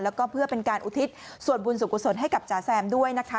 แล้วก็เพื่อเป็นการอุทิศส่วนบุญสุขุศลให้กับจ๋าแซมด้วยนะคะ